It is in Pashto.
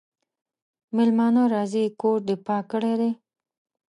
مېلمانه راځي کور دي پاک کړی دی؟